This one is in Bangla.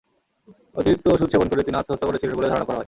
অতিরিক্ত ওষুধ সেবন করে তিনি আত্মহত্যা করেছিলেন বলে ধারণা করা হয়।